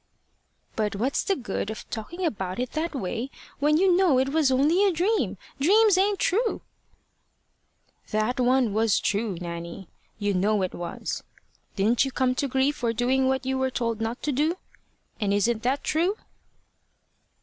"But what's the good of talking about it that way, when you know it was only a dream? Dreams ain't true." "That one was true, Nanny. You know it was. Didn't you come to grief for doing what you were told not to do? And isn't that true?"